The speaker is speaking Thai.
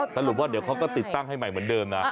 สรุปว่าเดี๋ยวเขาก็ติดตั้งให้ใหม่เหมือนเดิมนะ